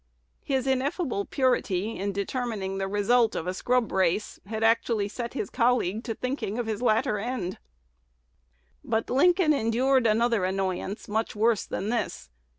'" His ineffable purity in determining the result of a scrub race had actually set his colleague to thinking of his latter end. But Lincoln endured another annoyance much worse than this.